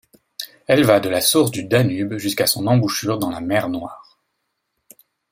Elle va de la source du Danube jusqu'à son embouchure dans la Mer Noire.